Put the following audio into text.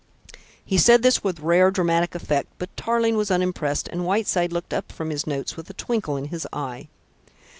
He said this with rare dramatic effect; but Tarling was unimpressed, and Whiteside looked up from his notes with a twinkle in his eye.